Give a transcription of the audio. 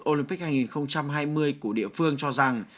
olympic hai nghìn hai mươi của địa phương cho rằng